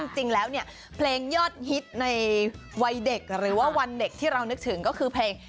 จริงแล้วเนี่ยเพลงยอดฮิตในวัยเด็กหรือว่าวันเด็กที่เรานึกถึงก็คือเพลง